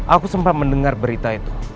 aku sempat mendengar berita itu